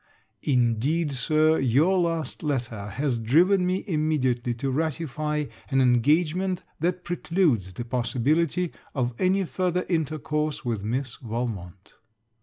Indeed, Sir, your last letter has driven me immediately to ratify an engagement that precludes the possibility of any further intercourse with Miss Valmont.